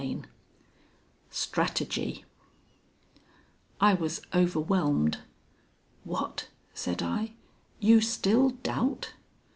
XXXI STRATEGY I was overwhelmed. "What," said I, "you still doubt?"